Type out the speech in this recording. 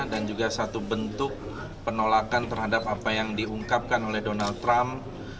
dan juga satu bentuk penolakan terhadap apa yang diungkapkan oleh donald trump